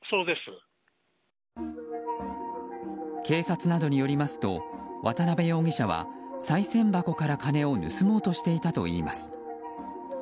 警察などによりますと渡辺容疑者はさい銭箱から金を盗もうとしていたといいます。